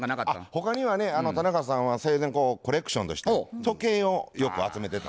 他にはね田中さんは生前コレクションとして時計をよく集めてた。